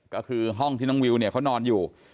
ก็คือห้องที่น้องวิวเนี่ยเขานอนอยู่